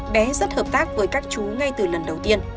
bé rất hợp tác với các chú ngay từ lần đầu tiên